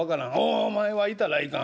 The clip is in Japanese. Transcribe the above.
お前は行ったらいかん」。